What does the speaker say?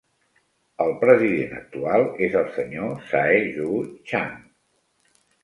El president actual és el senyor Sae Joo Chang.